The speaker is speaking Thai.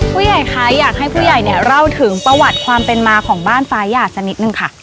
ผู้ใหญ่คะอยากให้ผู้ใหญ่เนี่ยเล่าถึงประวัติความเป็นมาของบ้านฟ้าหยาดสักนิดนึงค่ะ